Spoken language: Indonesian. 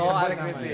oh arik riting